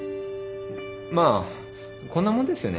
まあこんなもんですよね。